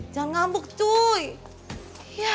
jangan ngambek cuy